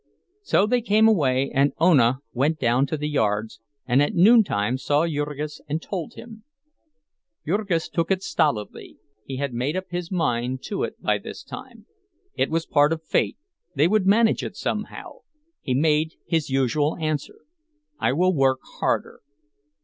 So they came away, and Ona went down to the yards, and at noontime saw Jurgis and told him. Jurgis took it stolidly—he had made up his mind to it by this time. It was part of fate; they would manage it somehow—he made his usual answer, "I will work harder."